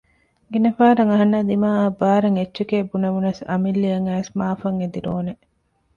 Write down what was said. ގިނަ ފަހަރަށް އަހަންނާ ދިމާއަށް ބާރަށް އެއްޗެކޭ ބުނެވުނަސް އަމިއްލައަށް އައިސް މާފަށް އެދި ރޯނެ